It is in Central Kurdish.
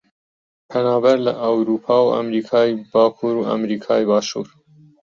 پەنابەر لە ئەورووپا و ئەمریکای باکوور و ئەمریکای باشوور